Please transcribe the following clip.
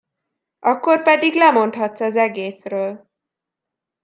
Akkor pedig lemondhatsz az egészről.